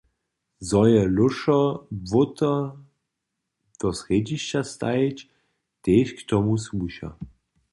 Zo je lóšo Błóta do srjedźišća stajić, tež k tomu słuša.